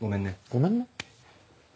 ごめんね。